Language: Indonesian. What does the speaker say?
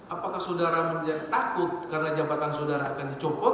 apakah saudara takut karena jabatan saudara akan dicopot